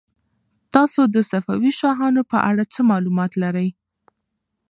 تاسو د صفوي شاهانو په اړه څه معلومات لرئ؟